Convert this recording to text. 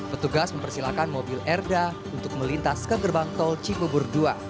petugas mempersilahkan mobil erda untuk melintas ke gerbang tol cibubur dua